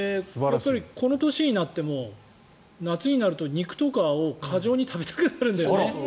この年になっても夏になると肉とかを過剰に食べたくなるんだよね。